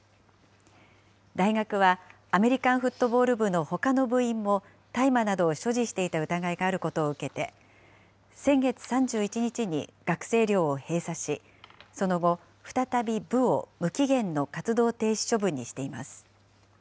大学は、アメリカンフットボール部のほかの部員も大麻などを所持していた疑いがあることを受けて、先月３１日に学生寮を閉鎖し、その後、再び部を無期限の活動停止処分にしています。